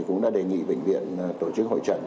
cũng đã đề nghị bệnh viện tổ chức hội trận